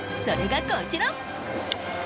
それが、こちら。